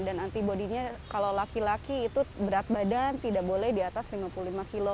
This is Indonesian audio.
dan antibodinya kalau laki laki itu berat badan tidak boleh di atas lima puluh lima kilo